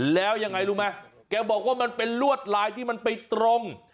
แล้วยังไงรู้ไหมแกบอกว่ามันเป็นลวดลายที่มันไปตรง